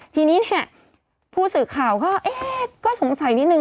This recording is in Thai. ทีนี้ผู้สื่อข่าวก็สงสัยนิดนึง